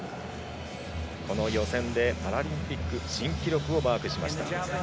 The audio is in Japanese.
この予選でパラリンピック新記録をマークしました。